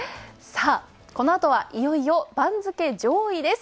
このあとは、いよいよ番付上位です。